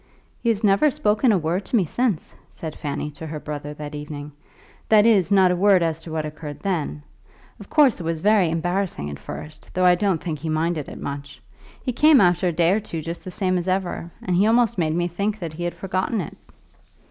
"He has never spoken a word to me since," said Fanny to her brother that evening; "that is, not a word as to what occurred then. Of course it was very embarrassing at first, though I don't think he minded it much. He came after a day or two just the same as ever, and he almost made me think that he had forgotten it."